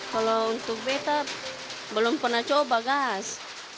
kalau untuk beta belum pernah coba gas